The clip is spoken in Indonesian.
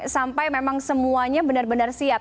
sampai memang semuanya benar benar siap